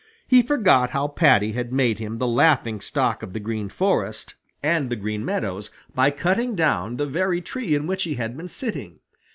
He forgot how Paddy had made him the laughing stock of the Green Forest and the Green Meadows by cutting down the very tree in which he had been sitting.